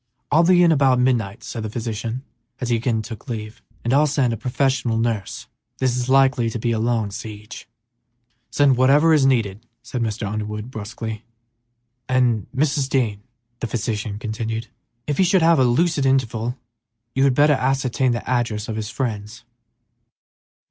"I'll be in about midnight," said the physician, as he again took leave, "and I'll send a professional nurse, a man; this is likely to be a long siege." "Send whatever is needed," said Mr. Underwood, brusquely, "the same as if 'twere for the boy himself!" "And, Mrs. Dean," the physician continued, "if he should have a lucid interval, you had better ascertain the address of his friends."